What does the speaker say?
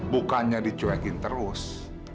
bukannya dicuekin terus